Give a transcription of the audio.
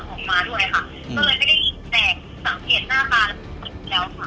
ออกมาด้วยค่ะก็เลยไม่ได้ยินแตกสังเกตหน้าตาเราตไร้หลับดีแล้วค่ะ